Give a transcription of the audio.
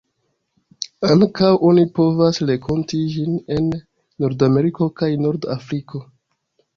Ankaŭ oni povas renkonti ĝin en Nordameriko kaj norda Afriko.